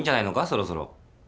そろそろ。